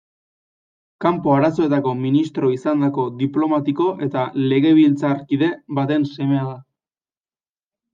Kanpo Arazoetako ministro izandako diplomatiko eta legebiltzarkide baten semea da.